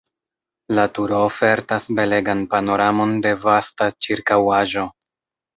La turo ofertas belegan panoramon de vasta ĉirkaŭaĵo.